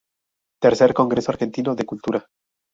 Tercer Congreso Argentino de Cultura.